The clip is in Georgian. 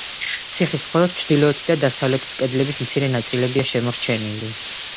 ციხის მხოლოდ ჩრდილოეთი და დასავლეთის კედლების მცირე ნაწილებია შემორჩენილია.